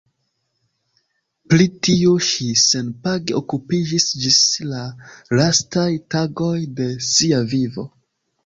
Pri tio ŝi senpage okupiĝis ĝis la lastaj tagoj de sia vivo.